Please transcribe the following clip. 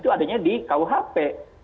itu adanya di kuhp